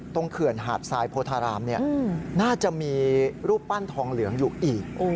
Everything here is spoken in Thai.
เขื่อนหาดทรายโพธารามน่าจะมีรูปปั้นทองเหลืองอยู่อีก